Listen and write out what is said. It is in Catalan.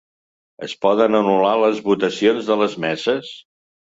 Es poden anul·lar les votacions de les meses?